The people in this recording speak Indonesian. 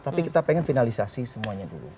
tapi kita pengen finalisasi semuanya dulu